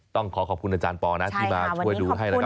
ต้องขอขอบคุณอาจารย์ปอนะที่มาช่วยดูให้นะครับ